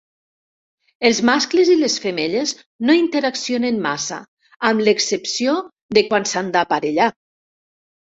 Els mascles i les femelles no interaccionen massa, amb l'excepció de quan s'han d'aparellar.